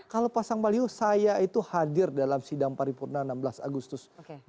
kalau pasang baliho saya itu hadir dalam sidang paripurna enam belas agustus